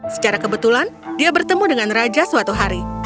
secara kebetulan dia bertemu dengan raja suatu hari